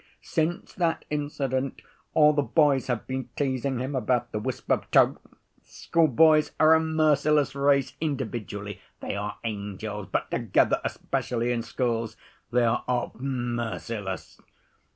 Since that incident all the boys have been teasing him about the 'wisp of tow.' Schoolboys are a merciless race, individually they are angels, but together, especially in schools, they are often merciless.